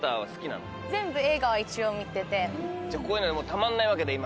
向日葵ちゃん。こういうのたまんないわけだ今。